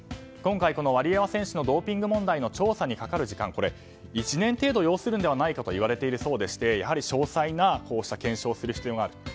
今回、ワリエワ選手のドーピング問題の調査にかかる時間は１年程度要するのではないかと言われているようでしてやはり詳細な検証をする必要がある。